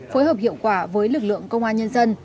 phối hợp hiệu quả với lực lượng công an nhân dân